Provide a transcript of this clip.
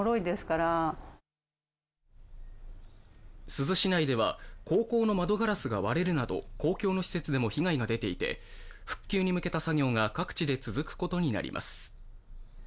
珠洲市内では高校の窓ガラスが割れるなど公共の施設でも被害が出ていて復旧に向けた作業が各地で続くことになります。